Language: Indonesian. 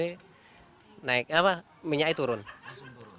pembelian menurun dan pengguna penjualan minyak goreng curah menurun